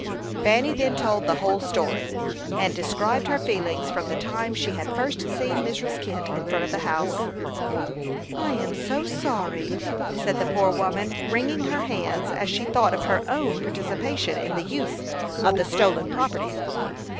Fanny then told the whole story, and described her feelings from the time she had first seen Mrs. Kent in front of the house. "I am so sorry!" said the poor woman, wringing her hands as she thought of her own participation in the use of the stolen property.